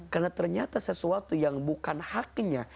karena ternyata sesuatu yang bukan haknya